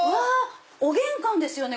お玄関ですよね。